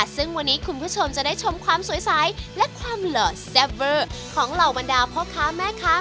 ซึ่งวันนี้คุณผู้ชมจะได้ชมความสวยใสและความหล่อแซ่บเวอร์ของเหล่าบรรดาพ่อค้าแม่ค้า